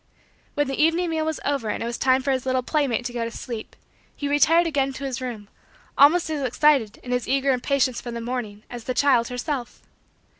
When the evening meal was over and it was time for his little playmate to go to sleep, he retired again to his room, almost as excited, in his eager impatience for the morning, as the child herself.